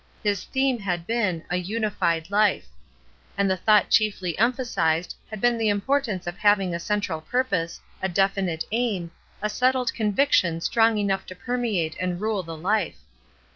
His theme had been, ''A Unified Life" ; and the thought chiefly emphasized had been the importance of having THEORY AND PRACTICE 213 a central purpose, a definite aim, a settled con viction strong enough to permeate and rule the life.